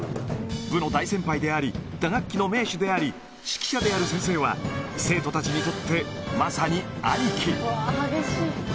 部の大先輩であり、打楽器の名手であり、指揮者である先生は、生徒たちにとってまさに兄貴。